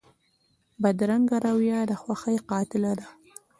بدرنګه رویه د خوښۍ قاتله ده